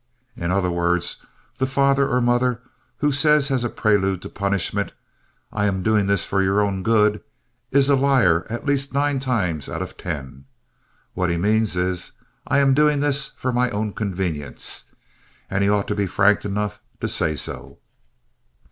In other words, the father or mother who says as a prelude to punishment, "I am doing this for your own good," is a liar at least nine times out of ten. What he means is, "I am doing this for my own convenience," and he ought to be frank enough to say so.